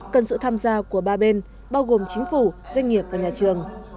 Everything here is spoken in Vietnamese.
cần sự tham gia của ba bên bao gồm chính phủ doanh nghiệp và nhà trường